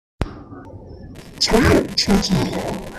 才有車子來